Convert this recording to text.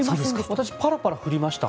私パラパラ降りました。